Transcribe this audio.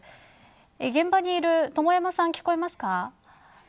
現場にいると巴山さん、聞こえますか。